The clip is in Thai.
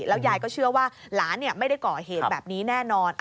ยายก็เชื่อว่าหลานไม่ได้ก่อเหตุแบบนี้แน่นอน